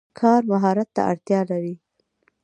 کار مهارت ته اړتیا لري.